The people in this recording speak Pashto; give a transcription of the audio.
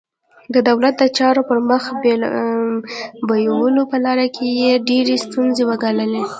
د دولت د چارو پر مخ بیولو په لاره کې یې ډېرې ستونزې وګاللې.